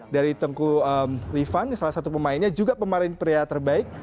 dari tengku rifan salah satu pemainnya juga pemain pria terbaik